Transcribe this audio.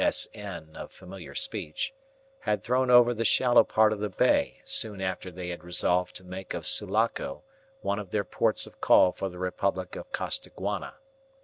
S.N. of familiar speech) had thrown over the shallow part of the bay soon after they had resolved to make of Sulaco one of their ports of call for the Republic of Costaguana.